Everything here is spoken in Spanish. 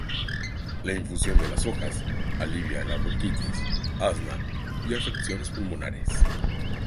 La infusión de las hojas alivia la bronquitis, asma y afecciones pulmonares.